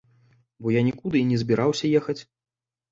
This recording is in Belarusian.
Бо я нікуды і не збіраўся ехаць.